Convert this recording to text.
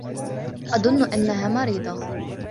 أظن أنها مريضة.